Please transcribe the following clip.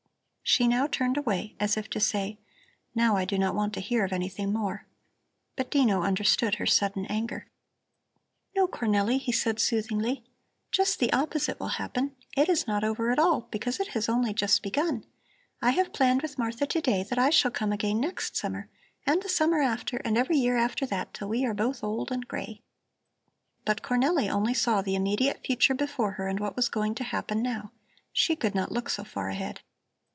She now turned away, as if to say: Now I do not want to hear of anything more. But Dino understood her sudden anger. "No, Cornelli," he said soothingly, "just the opposite will happen. It is not over at all, because it has only just begun. I have planned with Martha to day that I shall come again next summer and the summer after and every year after that, till we are both old and gray." But Cornelli only saw the immediate future before her and what was going to happen now; she could not look so far ahead.